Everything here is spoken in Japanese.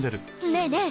ねえねえ